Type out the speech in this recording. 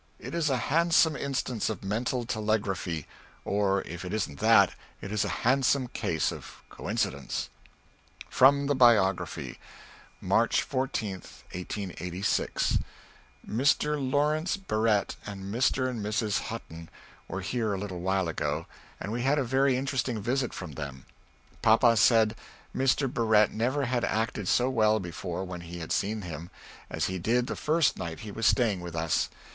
It is a handsome instance of mental telegraphy or if it isn't that, it is a handsome case of coincidence. From the Biography. March 14th, '86. Mr. Laurence Barrette and Mr. and Mrs. Hutton were here a little while ago, and we had a very interesting visit from them. Papa said Mr. Barette never had acted so well before when he had seen him, as he did the first night he was staying with us.